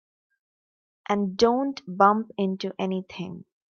And don't bump into anything.